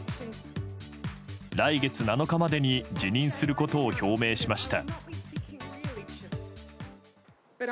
来月７日までに辞任することを表明しました。